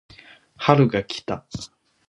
春が来た